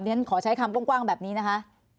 ฉันขอใช้คำกว้างแบบนี้นะคะ